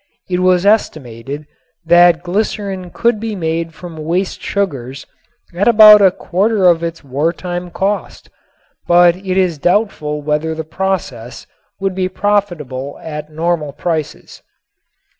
It was estimated that glycerin could be made from waste sugars at about a quarter of its war time cost, but it is doubtful whether the process would be profitable at normal prices.